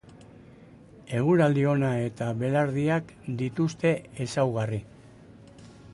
Eguraldi ona eta belardiak dituzte ezaugarri.